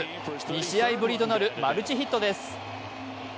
２試合ぶりとなるマルチヒットです